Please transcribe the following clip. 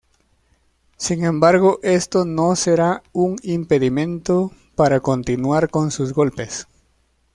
Sin embargo esto no sera un impedimento para continuar con sus golpes.